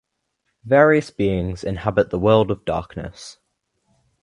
Various beings inhabit the World of Darkness.